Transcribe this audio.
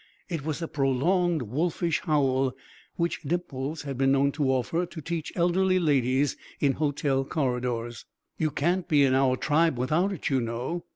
It was a prolonged wolfish howl which Dimples had been known to offer to teach elderly ladies in hotel corridors. "You can't be in our tribe without it, you know.